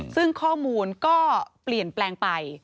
ซึ่งข้อมูลก็เปลี่ยนแปลงไป